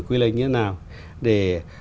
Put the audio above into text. quy lệnh như thế nào để